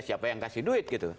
dikasih duit gitu